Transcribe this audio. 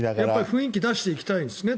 雰囲気出していきたいんですね